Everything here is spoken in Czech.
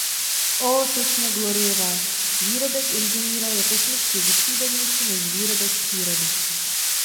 Ó, slečno Gloryová, výrobek inženýra je technicky vytříbenější než výrobek přírody.